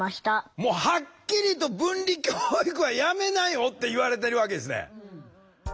もうはっきりと分離教育はやめなよって言われてるわけですね。